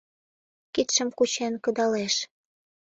Кидшым кучен кыдалеш